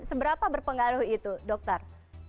seberapa berpengaruh itu dokter